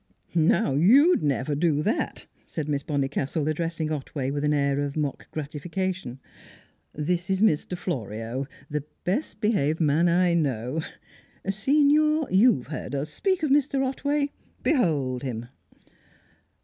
"Now, you'd never do that," said Miss Bonnicastle, addressing Otway, with an air of mock gratification. "This is Mr. Florio, the best behaved man I know. Signor, you've heard us speak of Mr. Otway. Behold him!"